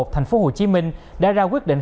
thành phố hồ chí minh đã ra quyết định